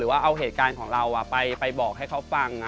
ว่าเอาเหตุการณ์ของเราไปบอกให้เขาฟัง